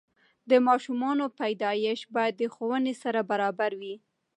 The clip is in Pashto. د ماشومانو پیدایش باید د ښوونې سره برابره وي.